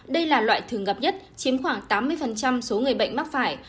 đây là loại thường gặp nhất chiếm khoảng tám mươi số người bệnh mắc phải